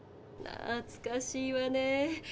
なつかしいわね。